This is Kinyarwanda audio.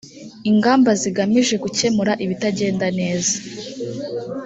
ingamba zigamije gukemura ibitagenda neza